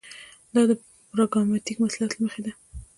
دا د پراګماټیک مصلحت له مخې ده.